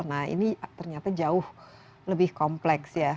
nah ini ternyata jauh lebih kompleks ya